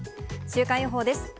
週間予報です。